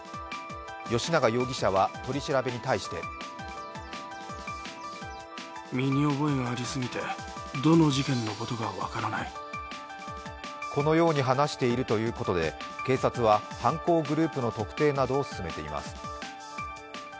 吉永容疑者は取り調べに対してこのように話しているということで、警察は、犯行グループの特定などを進めています。